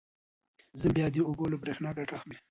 زمبیا د اوبو له برېښنا ګټه اخلي.